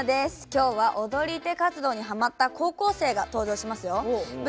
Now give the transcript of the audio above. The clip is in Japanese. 今日は踊り手活動にハマった高校生が登場しますよ。